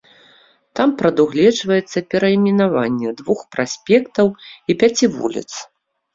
Там прадугледжваецца перайменаванне двух праспектаў і пяці вуліц.